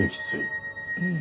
うん。